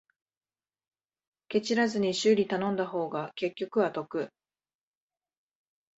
ケチらずに修理頼んだ方が結局は得